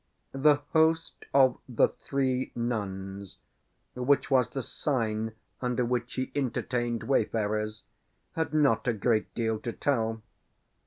The host of the "Three Nuns," which was the sign under which he entertained wayfarers, had not a great deal to tell.